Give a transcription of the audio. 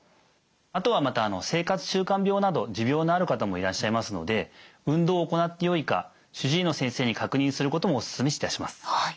あとはまた生活習慣病など持病のある方もいらっしゃいますので運動を行ってよいか主治医の先生に確認することもお勧めいたします。